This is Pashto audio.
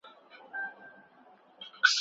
سياستپوهنه به په راتلونکي کي هم نوره وده وکړي.